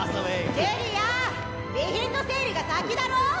ジュリア備品の整理が先だろ！